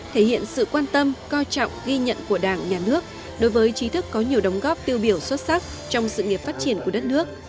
thể hiện sự quan tâm coi trọng ghi nhận của đảng nhà nước đối với trí thức có nhiều đóng góp tiêu biểu xuất sắc trong sự nghiệp phát triển của đất nước